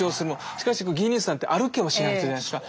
しかしギー兄さんって歩けもしない人じゃないですか。